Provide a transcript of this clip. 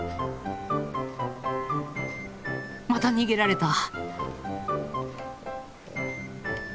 また逃げられた。